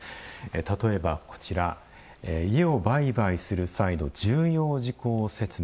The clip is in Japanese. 例えば家を売買する際の「重要事項説明」。